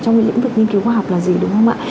trong cái lĩnh vực nghiên cứu khoa học là gì đúng không ạ